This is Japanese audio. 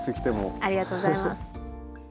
ありがとうございます。